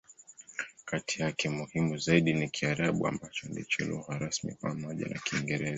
Kati yake, muhimu zaidi ni Kiarabu, ambacho ndicho lugha rasmi pamoja na Kiingereza.